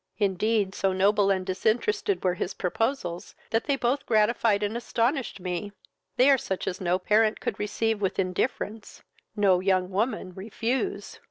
Indeed, so noble and disinterested were his proposals, that they both gratified and astonished me: they are such as no parent could receive with indifference, no young woman refuse.